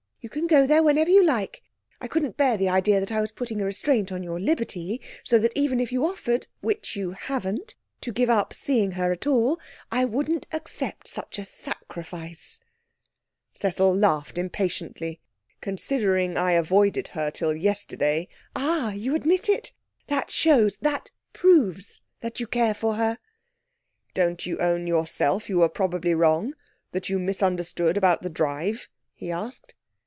You can go there when you like. I couldn't bear the idea that I was putting a restraint on your liberty, so that even if you offered which you haven't to give up seeing her at all I wouldn't accept such a sacrifice!' Cecil laughed impatiently. 'Considering I've avoided her till yesterday ' 'Ah, you admit it! That shows that proves you care for her.' 'Don't you own yourself you were probably wrong that you misunderstood about the drive?' he asked.